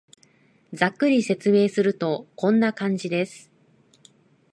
ざっくりと説明すると、こんな感じです